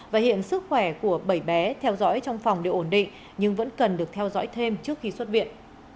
và hiện sức khỏe của bảy bé theo dõi trong phòng đều ổn định nhưng vẫn cần được theo dõi thêm trước khi xuất viện